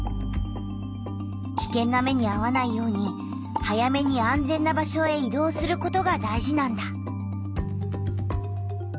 きけんな目にあわないように早めに安全な場所へ移動することが大事なんだ。